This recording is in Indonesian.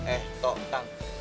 eh tok tang